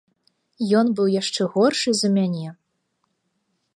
Ён быў яшчэ горшы за мяне.